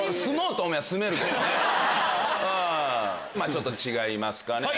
ちょっと違いますかね。